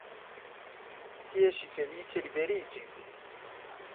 Tie ŝi feliĉe liberiĝis.